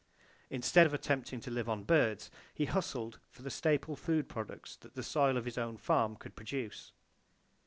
Instead of attempting to live on birds, he hustled for the staple food products that the soil of his own farm could produce.